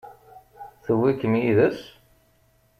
Tewwi-kem yid-s?